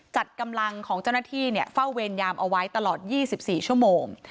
จัดกำลังของเจ้าหน้าที่เฝ้าเวรยามเอาไว้ตลอด๒๔ชั่วโมง